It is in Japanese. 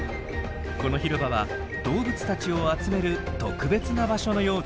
この広場は動物たちを集める特別な場所のようです。